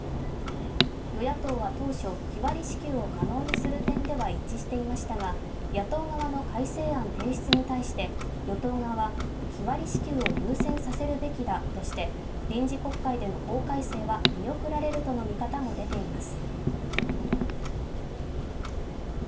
与野党は当初、日割り支給を可能にする点では一致していましたが野党側の改正案提出に対して与党側は、日割り支給を優先させるべきだとして臨時国会での法改正は見送られるとの見方も出ています。